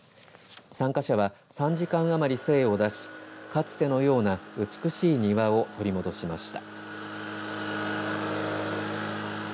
参加者は３時間余り精を出しかつてのような美しい庭を取り戻しました。